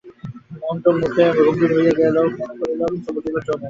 মহেন্দ্র মুহূর্তের মধ্যে গম্ভীর হইয়া গেল–মনে মনে কহিল, কিছুই বুঝিবার জো নাই।